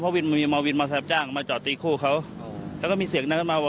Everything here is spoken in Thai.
เพราะมีมอวินมาสรับจ้างมาจอดตีคู่เขาแล้วก็มีเสียงนั้นมาว่า